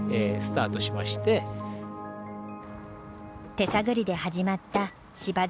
手探りで始まった芝作り。